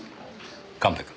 神戸君。